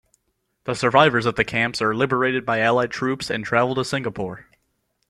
The survivors of the camps are liberated by Allied troops and travel to Singapore.